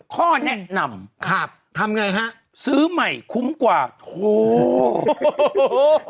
ข้อแนะนำครับทำไงฮะซื้อใหม่คุ้มกว่าโถ